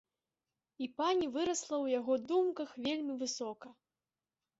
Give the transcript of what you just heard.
І пані вырасла ў яго думках вельмі высока.